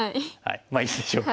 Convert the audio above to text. まあいいでしょう。